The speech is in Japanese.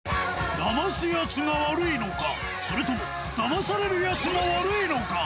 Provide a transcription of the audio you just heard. ダマすやつが悪いのか、それとも、ダマされるやつが悪いのか。